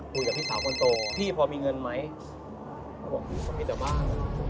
พี่สาวคนโตพี่พอมีเงินไหมเขาบอกมีแต่บ้าน